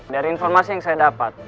dari informasi yang saya dapat